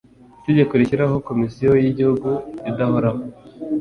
Itegeko rishyiraho komisiyo y igihugu idahoraho